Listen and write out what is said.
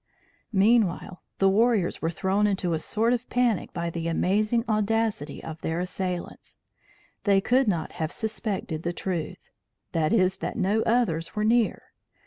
Meanwhile, the warriors were thrown into a sort of panic by the amazing audacity of their assailants. They could not have suspected the truth that is that no others were near.